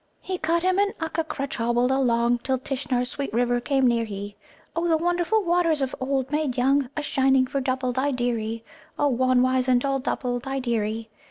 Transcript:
"He cut him an Ukka crutch, hobbled along, Till Tishnar's sweet river came near he, O The wonderful waters of 'Old Made Young,' A shining for Dubbuldideery, O, Wan, wizened old Dubbuldideery.